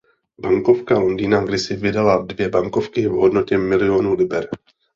Banka Londýna kdysi vydala dvě bankovky v hodnotě milionu liber.